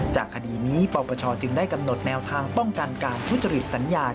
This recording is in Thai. คดีนี้ปปชจึงได้กำหนดแนวทางป้องกันการทุจริตสัญญา